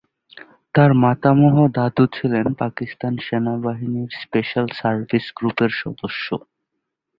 তাঁর মাতামহ দাদু ছিলেন পাকিস্তান সেনাবাহিনীর স্পেশাল সার্ভিস গ্রুপের সদস্য।